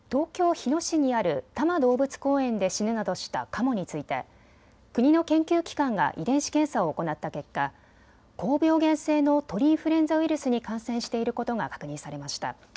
日野市にある多摩動物公園で死ぬなどしたカモについて国の研究機関が遺伝子検査を行った結果、高病原性の鳥インフルエンザウイルスに感染していることが確認されました。